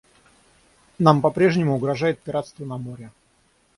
Нам по-прежнему угрожает пиратство на море.